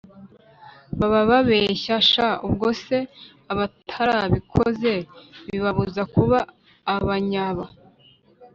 Baba babeshya sha ubwose abatarabikoze bibabuza kuba abanyaba